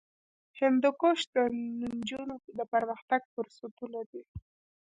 هندوکش د نجونو د پرمختګ فرصتونه دي.